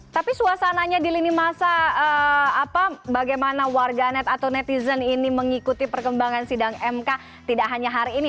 tapi suasananya di lini masa bagaimana warganet atau netizen ini mengikuti perkembangan sidang mk tidak hanya hari ini